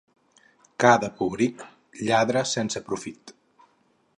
Ca de pobric lladra sense profit.